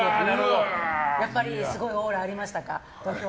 やっぱりすごいオーラありましたか？